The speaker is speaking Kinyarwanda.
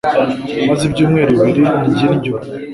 Maze ibyumweru bibiri ndya indyo.